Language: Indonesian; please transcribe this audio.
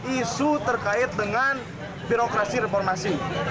isu terkait dengan birokrasi reformasi